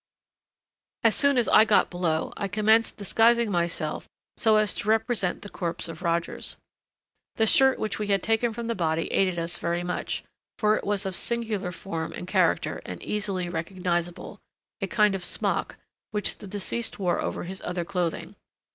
As soon as I got below I commenced disguising myself so as to represent the corpse of Rogers. The shirt which we had taken from the body aided us very much, for it was of singular form and character, and easily recognizable—a kind of smock, which the deceased wore over his other clothing.